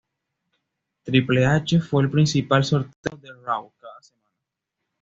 Triple H fue el principal sorteo de Raw cada semana.